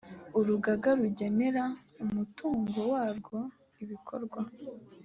urugaga rugenera umutungo warwo ibikorwa